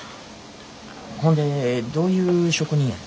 ほんでどういう職人やの？